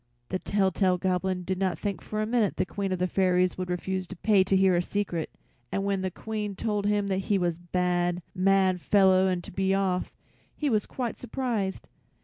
The tell tale Goblin did not think for a minute the Queen of the fairies would refuse to pay to hear a secret, and when the Queen told him he was a bad, mad fellow and to be off, he was quite surprised.